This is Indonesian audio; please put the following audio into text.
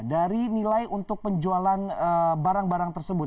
dari nilai untuk penjualan barang barang tersebut